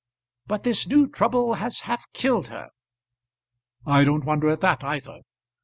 "But this new trouble has half killed her." "I don't wonder at that either.